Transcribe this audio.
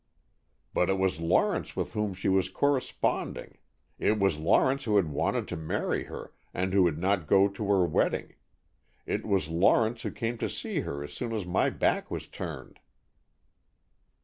"But it was Lawrence with whom she was corresponding, it was Lawrence who had wanted to marry her and who would not go to her wedding, it was Lawrence who came to see her as soon as my back was turned!"